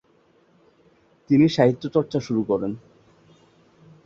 তিনি সাহিত্যচর্চা শুরু করেন।